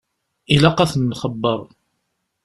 Ilaq ad ten-nxebbeṛ.